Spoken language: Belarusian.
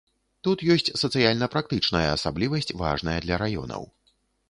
Тут ёсць сацыяльна-практычная асаблівасць важная для раёнаў.